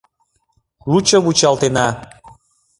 Лучо вучалтена.